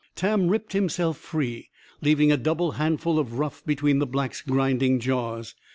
Tam ripped himself free, leaving a double handful of ruff between the Black's grinding jaws.